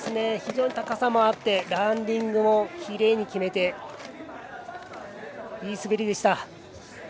非常に高さもあってランディングもきれいに決めていい滑りでした。